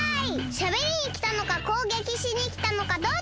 しゃべりにきたのかこうげきしにきたのかどっちだ！